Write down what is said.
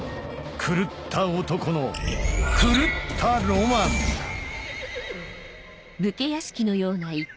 狂った男の狂ったロマンヤッ！